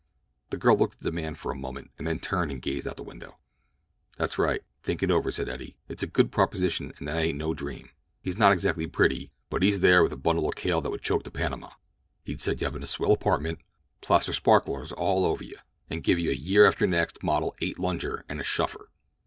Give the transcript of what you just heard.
The girl looked at the man for a moment, and then turned and gazed out of the window. "That's right; think it over," said Eddie. "It's a good proposition and that ain't no dream. He's not exactly pretty, but he's there with a bundle of kale that would choke the Panama. He'd set you up in a swell apartment, plaster sparklers all over you, and give you a year after next model eight lunger and a shuffer.